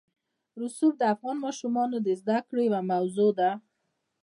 رسوب د افغان ماشومانو د زده کړې یوه موضوع ده.